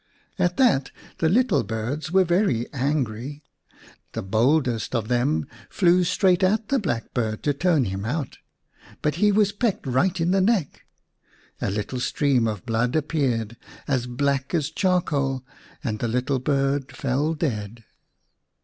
At that the little birds were very angry. The boldest of them flew straight at the black bird to turn him out, but he was pecked right in the neck. A little stream of blood appeared, as black as charcoal, and the little bird fell dead.